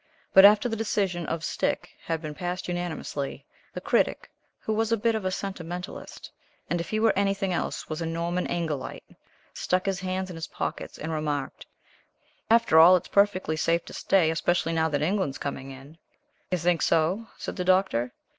But after the decision of "stick" had been passed unanimously, the Critic, who was a bit of a sentimentalist, and if he were anything else was a Norman Angel lite, stuck his hands in his pockets, and remarked: "After all, it is perfectly safe to stay, especially now that England is coming in." "You think so?" said the Doctor.